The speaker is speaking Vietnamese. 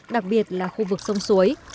đặc biệt là khu vực sông suối